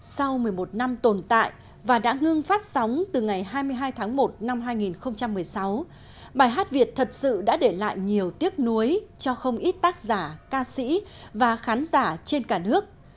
sau một mươi một năm tồn tại và đã ngưng phát sóng từ ngày hai mươi hai tháng một năm hai nghìn một mươi sáu bài hát việt thật sự đã để lại nhiều tiếc nuối cho không ít tác giả ca sĩ và khán giả trên cả nước